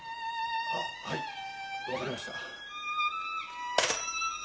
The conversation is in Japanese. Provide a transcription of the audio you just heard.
あっはい分かりました。